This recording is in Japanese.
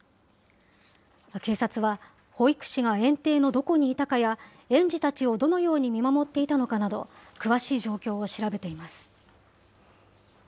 警察は保育士が園庭のどこにいたかや、園児たちをどのように見守っていたのかなど、詳しい状況を調べています。